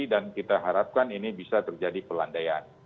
dan kita harapkan ini bisa terjadi pelandaian